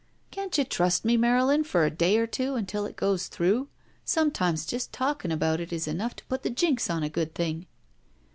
'Can't you trust me, Marylin, for a day or two, until it goes through? Sometimes just talking about it is enough to put the jinx on a good thing."